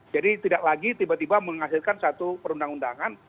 tidak lagi tiba tiba menghasilkan satu perundang undangan